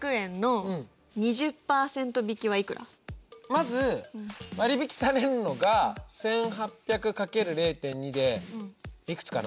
まず割引されるのが１８００×０．２でいくつかな。